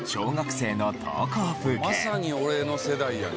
まさに俺の世代やな。